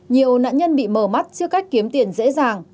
nhiều nạn nhân bị mờ mắt trước cách kiếm tiền dễ dàng